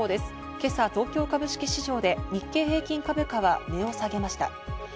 今朝、東京株式市場で日経平均株価は値を下げました。